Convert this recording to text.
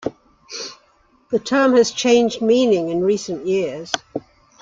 The term has changed meaning in recent years.